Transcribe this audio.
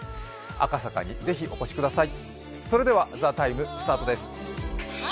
赤坂にぜひお越しください。